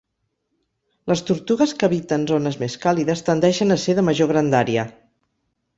Les tortugues que habiten zones més càlides tendeixen a ser de major grandària.